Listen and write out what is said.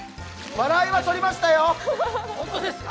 笑いはとりましたよ。